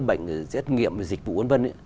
bệnh xét nghiệm dịch vụ v v